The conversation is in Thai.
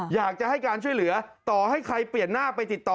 อยากจะให้การช่วยเหลือต่อให้ใครเปลี่ยนหน้าไปติดต่อ